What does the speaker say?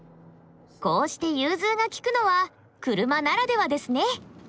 こうして融通が利くのは車ならではですね。